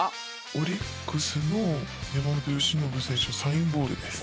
オリックスの山本由伸選手のサインボールです。